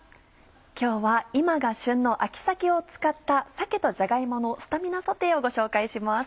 今日は今が旬の秋鮭を使った「鮭とじゃが芋のスタミナソテー」をご紹介します。